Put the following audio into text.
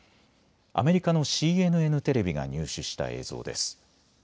アメリカのＣＮＮテレビが入手した映像です。